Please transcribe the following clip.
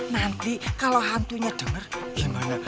nanti kalau hantunya cemer gimana